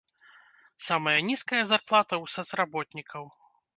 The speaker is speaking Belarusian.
Самая нізкая зарплата ў сацработнікаў.